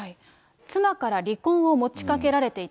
妻から離婚を持ちかけられていた。